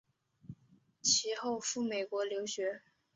其后赴美国留学。